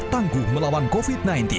tangguh melawan covid sembilan belas